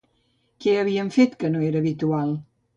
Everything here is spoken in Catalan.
Què havien fet que no era habitual?